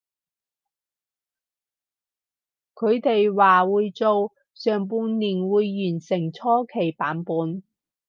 佢哋話會做，上半年會完成初期版本